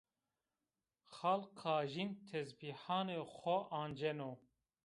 Xal Kajîn tezbîhanê xo anceno